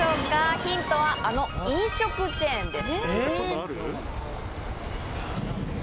ヒントはあの飲食チェーンです。